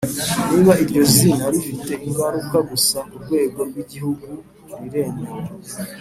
Niba iryo zina rifite ingaruka gusa ku rwego rwi gihugu riremewe.